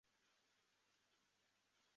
羽带车站根室本线的铁路车站。